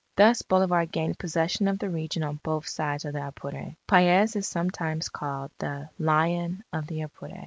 Thus Bolivar gained possession of the region on both sides of the Apure. Paez is sometimes called the "Lion of the Apure."